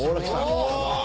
お！